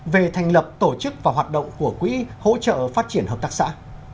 về thành lập tổ chức và hoạt động của quỹ hỗ trợ phát triển hợp tác xã